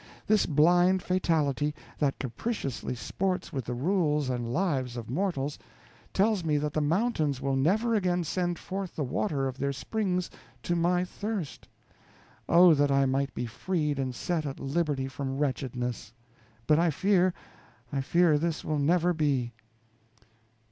This blind fatality, that capriciously sports with the rules and lives of mortals, tells me that the mountains will never again send forth the water of their springs to my thirst. Oh, that I might be freed and set at liberty from wretchedness! But I fear, I fear this will never be.